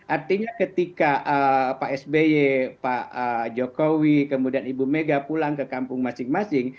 artinya ketika pak sby pak jokowi kemudian ibu mega pulang ke kampung masing masing